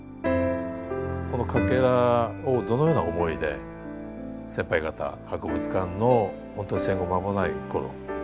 このかけらをどのような思いで先輩方博物館のほんとに戦後間もないころ